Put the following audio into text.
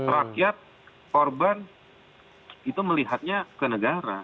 rakyat korban itu melihatnya ke negara